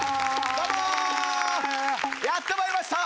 やって参りました。